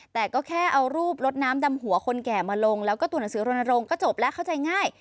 แต่ก็แค่เอารูปลดน้ำดำหัวคนแก่มาลงแล้วก็ตัวหนังสือรณรงค์ก็จบแล้วเข้าใจง่าย